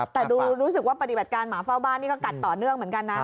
แต่ดูรู้สึกว่าปฏิบัติการหมาเฝ้าบ้านนี่ก็กัดต่อเนื่องเหมือนกันนะ